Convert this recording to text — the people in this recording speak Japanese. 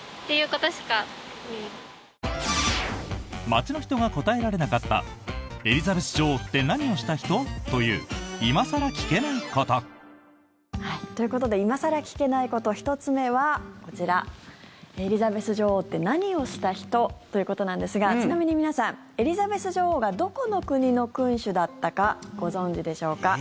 街の人が答えられなかったエリザベス女王って何をした人？という今更聞けないこと。ということで今更聞けないこと１つ目はこちらエリザベス女王って何をした人？ということなんですがちなみに皆さんエリザベス女王がどこの国の君主だったかご存じでしょうか？